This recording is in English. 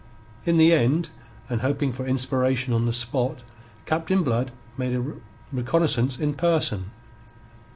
In the end, and hoping for inspiration on the spot, Captain Blood made a reconnaissance in person.